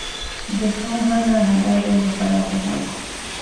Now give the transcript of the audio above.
ދެ ފާޚާނާ ހަދައިދޭނެ ފަރާތެއް ހޯދަން